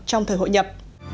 trong thời hội nhập